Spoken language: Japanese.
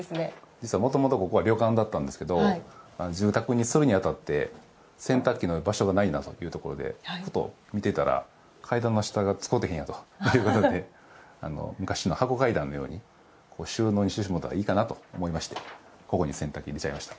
実はもともとここは旅館だったんですけど住宅にするにあたって洗濯機の場所がないなというところでちょっと見てたら階段の下が使うてへんやんかということで昔の箱階段のように収納にしてしまったらいいかなと思いましてここに洗濯機を入れちゃいました。